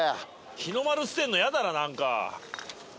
日の丸捨てんのやだな何か。